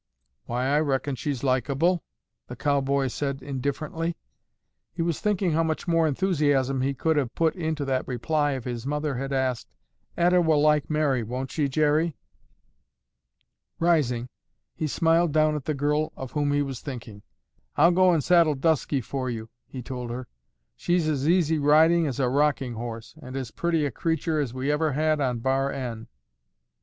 "Why, I reckon she's likeable," the cowboy said indifferently. He was thinking how much more enthusiasm he could have put into that reply if his mother had asked, "Etta will like Mary, won't she, Jerry?" Rising, he smiled down at the girl of whom he was thinking. "I'll go and saddle Dusky for you," he told her. "She's as easy riding as a rocking horse and as pretty a creature as we ever had on Bar N."